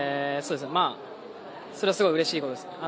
それはすごいうれしいことです。